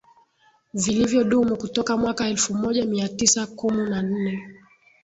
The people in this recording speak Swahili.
vilivyodumu kutoka mwaka elfu moja mia tisa kumu na nne